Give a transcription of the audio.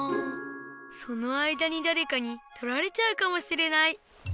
その間にだれかにとられちゃうかもしれない。